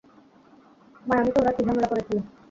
মায়ামিতে ওরা কি ঝামেলা করেছিল?